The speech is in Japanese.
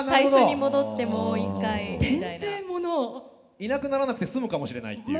いなくならなくて済むかもしれないっていう。